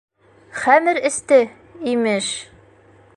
Хәмер эсте, имеш...